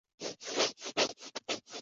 目前以养猪及作物种植为主。